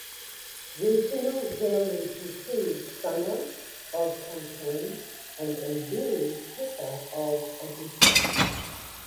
Regional variants include "sanna" of Konkan and Enduri Pitha of Odisha.